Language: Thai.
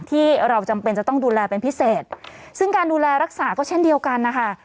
ที่เราจำเป็นจะต้องดูแลเป็นพิเศษซึ่งการดูแลรักษาก็เช่นเดียวกันนะคะ